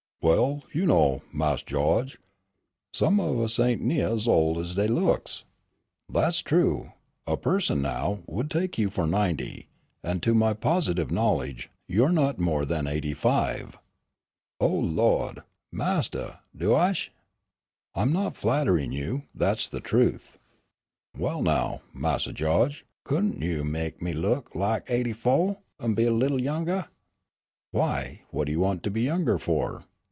"Well, you know, Mawse Gawge, some o' us ain' nigh ez ol' ez dey looks." "That's true. A person, now, would take you for ninety, and to my positive knowledge, you're not more than eighty five." "Oh, Lawd. Mastah, do heish." "I'm not flattering you, that's the truth." "Well, now, Mawse Gawge, couldn' you mek me' look lak eighty fo', an' be a little youngah?" "Why, what do you want to be younger for?"